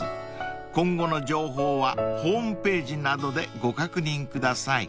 ［今後の情報はホームページなどでご確認ください］